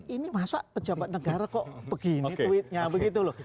ini masa pejabat negara kok begini tweetnya begitu loh